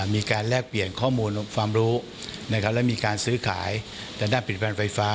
แลกเปลี่ยนข้อมูลความรู้และมีการซื้อขายแต่ด้านผลิตภัณฑ์ไฟฟ้า